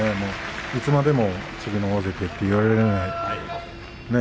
いつまでも次の大関と言われない。